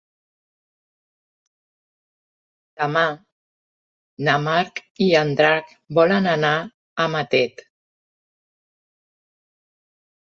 Demà na Mar i en Drac volen anar a Matet.